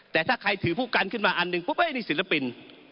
แต่ถ้าใครถือผู้กันขึ้นมาอันหนึ่งปุ๊บนี่ศิลปิน